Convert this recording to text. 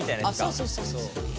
そうそうそうそう。